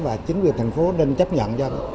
và chính quyền thành phố nên chấp nhận cho